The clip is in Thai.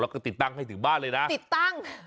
แล้วก็ติดตั้งให้ถึงบ้านเลยนะติดตั้ง